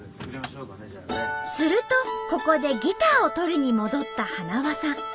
するとここでギターを取りに戻ったはなわさん。